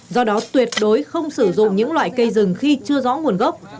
do đó tuyệt đối không sử dụng những loại cây rừng khi chưa rõ nguồn gốc